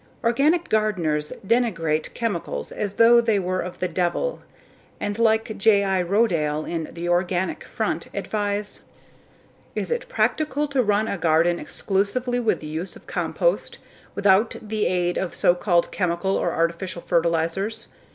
Organic gardeners denigrate chemicals as though they were of the devil and like J.I. Rodale in The Organic Front, advise: "Is it practical to run a garden exclusively with the use of compost, without the aid of so called chemical or artificial fertilizers?